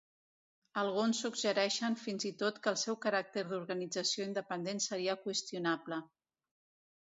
Alguns suggereixen fins i tot que el seu caràcter d'organització independent seria qüestionable.